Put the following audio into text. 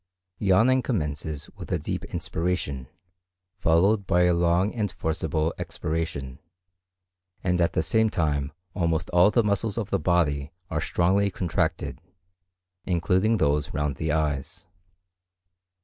Yawning commences with a deep inspiration, followed by a long and forcible expiration; and at the same time almost all the muscles of the body are strongly contracted, including those round the eyes.